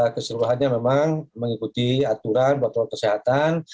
keseluruhannya memang mengikuti aturan protokol kesehatan